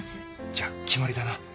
じゃあ決まりだな。